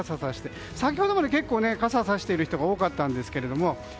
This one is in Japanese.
先ほどまで結構傘をさしている人が多かったんです。